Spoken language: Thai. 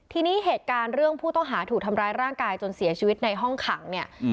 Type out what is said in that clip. ทีนี้เหตุการณ์เรื่องผู้ต้องหาถูกทำร้ายร่างกายจนเสียชีวิตในห้องขังเนี่ย